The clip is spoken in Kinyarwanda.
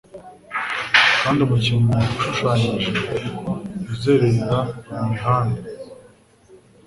Kandi "umukinyi" ushushanyije uzerera mumihanda